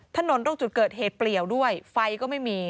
ถนนตรงจุดเกิดเหตุเปลี่ยวด้วยไฟก็ไม่มี